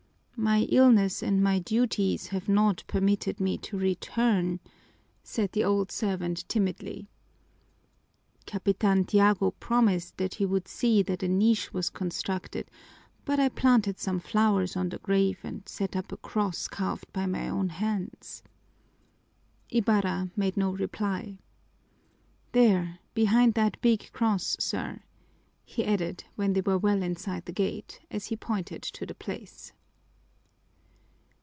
"My illness and my duties have not permitted me to return," said the old servant timidly. "Capitan Tiago promised that he would see that a niche was constructed, but I planted some flowers on the grave and set up a cross carved by my own hands." Ibarra made no reply. "There behind that big cross, sir," he added when they were well inside the gate, as he pointed to the place.